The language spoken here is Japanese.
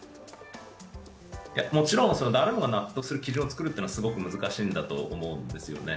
もちろん、誰もが納得する基準を作るというのはすごく難しいんだと思うんですよね。